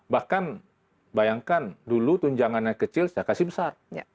bahkan bayangkan dulu tunjangannya kecil saya kasih besar